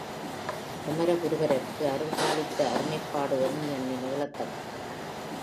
குமரகுருபரருக்கு அருள்பாலித்த அருமைப்பாடு எண்ணி எண்ணி நெகிழத்தக்கது.